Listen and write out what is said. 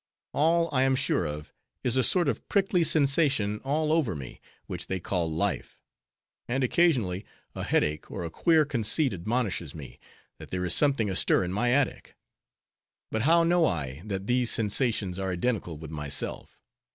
All I am sure of, is a sort of prickly sensation all over me, which they call life; and, occasionally, a headache or a queer conceit admonishes me, that there is something astir in my attic. But how know I, that these sensations are identical with myself?